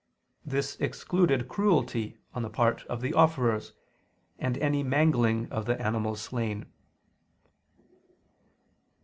This excluded cruelty on the part of the offerers, and any mangling of the animals slain.